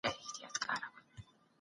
روح هیڅکله نه مړیږي.